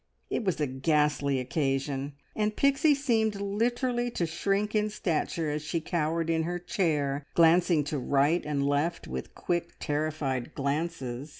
It was a ghastly occasion, and Pixie seemed literally to shrink in stature as she cowered in her chair, glancing to right and left with quick, terrified glances.